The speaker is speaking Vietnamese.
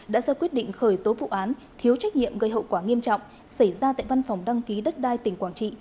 đã ra quyết định khởi tố vụ án thiếu trách nhiệm gây hậu quả nghiêm trọng xảy ra tại văn phòng đăng ký đất đai tỉnh quảng trị